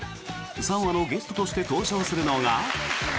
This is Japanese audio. ３話のゲストとして登場するのが。